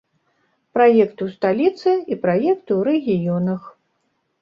Праекты ў сталіцы і праекты ў рэгіёнах.